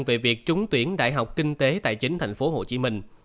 về việc trúng tuyển đại học kinh tế tài chính tp hcm